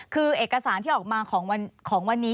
คือเอกสารที่ออกมาของวันนี้